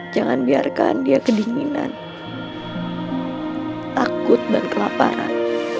jangan biarkan dia kedinginan takut dan kelaparan